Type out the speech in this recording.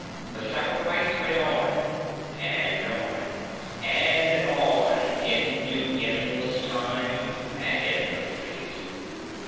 The sacrifice went on ... and on ... and on into endless time and endless space.